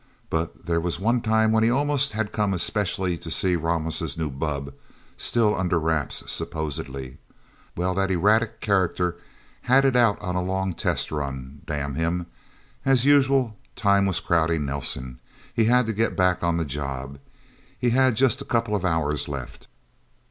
But there was one time when he almost had come specially to see Ramos' new bubb, still under wraps, supposedly. Well that erratic character had it out on a long test run. Damn him! As usual, time was crowding Nelsen. He had to get back on the job. He had just a couple of hours left.